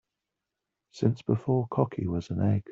Since before cocky was an egg.